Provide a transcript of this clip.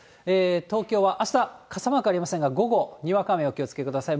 東京はあした、傘マークありませんが、午後、にわか雨にお気をつけください。